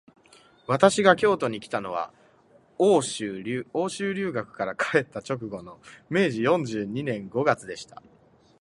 私が京都にきたのは、欧州留学から帰った直後の明治四十二年五月でした